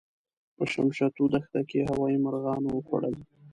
په شمشتو دښته کې هوايي مرغانو وخوړل.